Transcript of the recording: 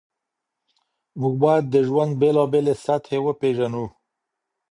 موږ باید د ژوند بېلابېلې سطحې وپېژنو.